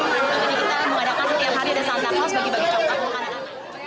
jadi kita mengadakan tiap hari ada santa claus bagi bagi coklat